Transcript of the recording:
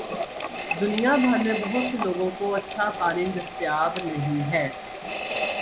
دنیا بھر میں بہت سے لوگوں کو اچھا پانی دستیاب نہیں ہے۔